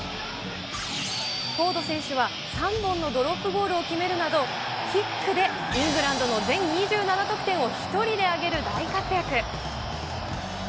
フォード選手は３本のドロップゴールを決めるなど、キックでイングランドの全２７得点を１人で挙げる大活躍。